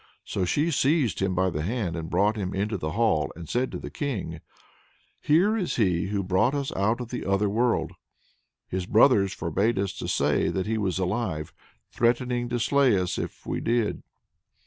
So she seized him by the hand, and brought him into the hall, and said to the King: "Here is he who brought us out of the other world. His brothers forbade us to say that he was alive, threatening to slay us if we did."